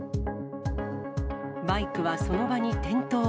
バイクはその場に転倒。